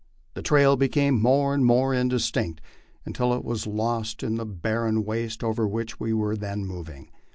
The trail became more and more indistinct, until it was lost in the barren waste over which we were then moving.